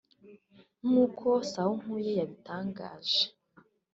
” Nk’uko Sahunkuye yabitangaje